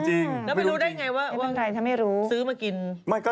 แล้วไปรู้ได้ยังไงว่า